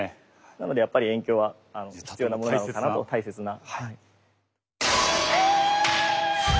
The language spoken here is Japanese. なのでやっぱり猿叫は必要なものなのかなと大切な。